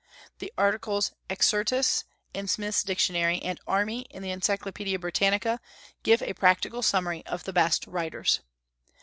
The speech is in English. The articles "Exercitus," in Smith's Dictionary, and "Army," in the Encyclopedia Britannica, give a practical summary of the best writers.